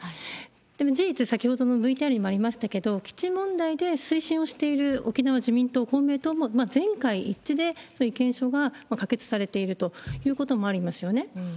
でも、事実先ほどのＶＴＲにもありましたけど、基地問題で推進をしている沖縄自民党、公明党も全会一致でそういう意見書が可決されているということもあるんですよね。